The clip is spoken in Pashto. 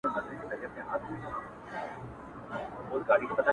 لکه انار دانې ـ دانې د ټولو مخته پروت يم ـ